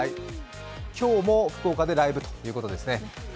今日も福岡でライブということですね。